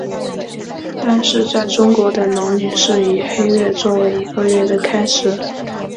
但是在中国的农历是以黑月做为一个月的开始。